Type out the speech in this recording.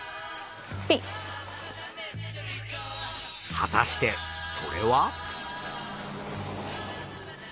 果たしてそれは？